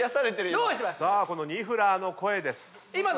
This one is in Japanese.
さあこのニフラーの声です。